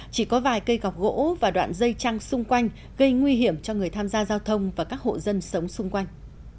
chỉ có vài cây gọc gỗ và đoạn dây trăng xung quanh gây nguy hiểm cho người tham gia giao thông và các hộ dân sống xung quanh